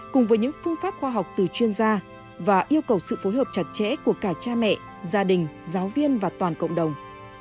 cùng với những phương pháp khoa học từ chuyên gia và yêu cầu sự phối hợp chặt chẽ của cả cha mẹ gia đình giáo viên và toàn cộng đồng